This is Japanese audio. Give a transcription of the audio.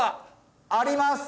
あります！